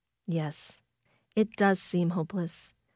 "Yes, it does seem hopeless.